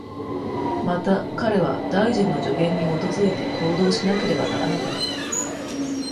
また、彼は大臣の助言に基づいて行動しなければならなくなった。